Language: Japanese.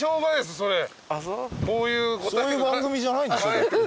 そういう番組じゃないんでしょ？